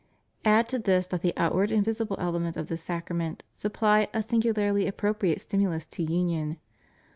Add to this that the outward and visible elements of this Sacrament supply a singularly appropriate stimulus to union.